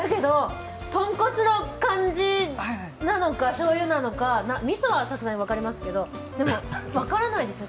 豚骨の感じなのか、しょうゆなのかみそはさすがに分かりますけど、でも分からないですね。